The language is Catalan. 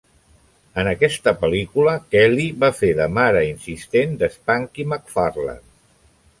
En aquesta pel·lícula, Kelly va fer de mare insistent de Spanky McFarland.